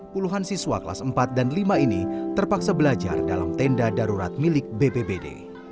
puluhan siswa kelas empat dan lima ini terpaksa belajar dalam tenda darurat milik bbbd